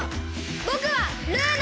ぼくはルーナ！